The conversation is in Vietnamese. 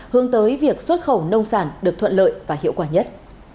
hướng tới việc xuất khẩu nông sản được thuận lợi và hiệu quả nhất